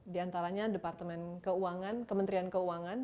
di antaranya departemen keuangan kementerian keuangan